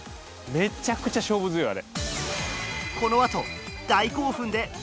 めちゃくちゃ勝負強いあれ。